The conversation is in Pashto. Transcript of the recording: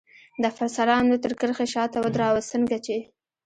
د افسرانو تر کرښې شاته ودراوه، څنګه چې.